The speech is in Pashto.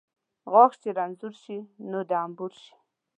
غاښ چې رنځور شي ، نور د انبور شي